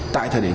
tại thời điểm